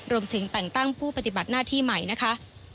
แต่งตั้งผู้ปฏิบัติหน้าที่ใหม่นะคะ